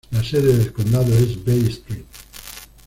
La sede del condado es Bay St.